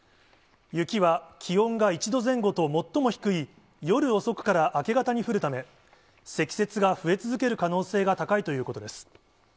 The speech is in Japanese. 雪は気温が１度前後と最も低い夜遅くから明け方に降るため、積雪が増え続ける可能性が高いということです。